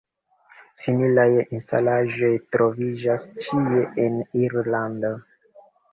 Similaj instalaĵoj troviĝas ĉie en Irlando.